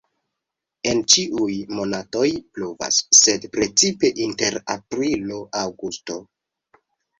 En ĉiuj monatoj pluvas, sed precipe inter aprilo-aŭgusto.